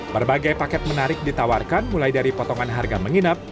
berbagai paket menarik ditawarkan mulai dari potongan harga menginap